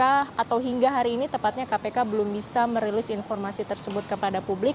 atau hingga hari ini tepatnya kpk belum bisa merilis informasi tersebut kepada publik